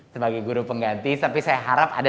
sebagai guru pengganti tapi saya harap ada